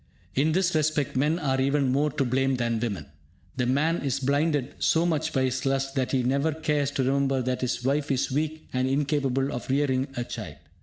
In this respect, men are even more to blame than women. The man is blinded so much by his lust that he never cares to remember that his wife is weak and incapable of rearing a child.